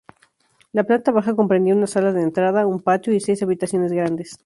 La planta baja comprendía una sala de entrada, un patio y seis habitaciones grandes.